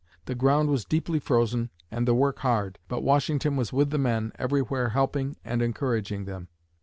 The ground was deeply frozen and the work hard. But Washington was with the men, everywhere helping and encouraging them.